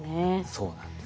そうなんです。